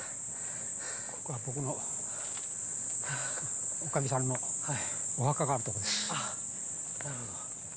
僕のおかみさんのお墓がある所です。